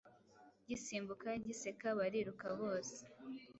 gisimbuka, giseka, bariruka bose